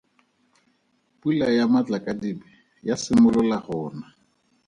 Pula ya matlakadibe ya simolola go na.